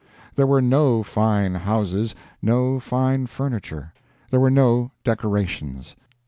There were no fine houses, no fine furniture. There were no decorations.